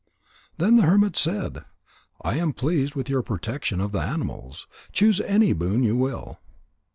Then the hermit said: "I am pleased with your protection of the animals. Choose any boon you will."